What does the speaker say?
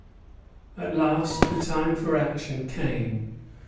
At last the time for action came.